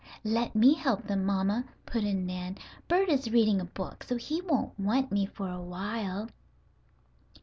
"Let me help them, mamma," put in Nan. "Bert is reading a book, so he won't want me for a while."